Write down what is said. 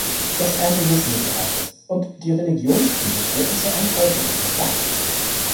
Das Ende des Mittelalters und die Religionskriege führten zur Entvölkerung der Stadt.